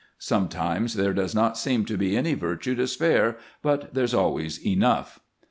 Sometimes there does not seem to be any virtue to spare, but there 's always enough."